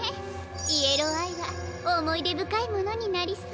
イエローアイはおもいでぶかいものになりそう。